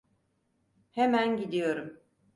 Hemen gidiyorum.